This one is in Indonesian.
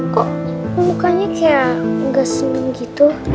kok mukanya kayak gak seneng gitu